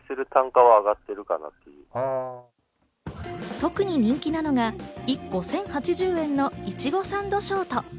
特に人気なのが１個１０８０円の苺サンドショート。